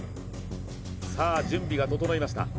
さあ準備が整いました。